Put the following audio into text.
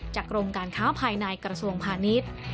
จากกรมการข้าวภายในกระทรวงพลาดนิด